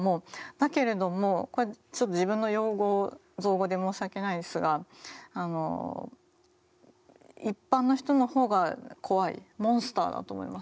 だけれどもこれちょっと自分の用語造語で申し訳ないんですが一般の人の方が怖いモンスターだと思います。